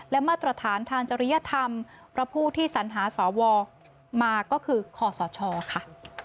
และมาตรฐานทางจริยธรรมเพราะผู้ที่สัญหาสวมาก็คือขอสชค่ะ